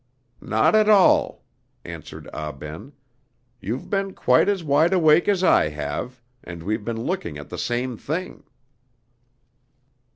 "Not at all," answered Ah Ben. "You've been quite as wide awake as I have, and we've been looking at the same thing."